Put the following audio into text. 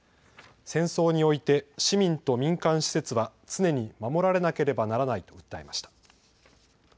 戦争において市民と民間施設は常に守られなければならないと訴えました。